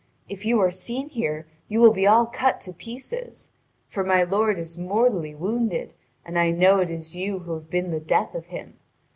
If you are seen here, you will be all cut to pieces. For my lord is mortally wounded, and I know it is you who have been the death of him.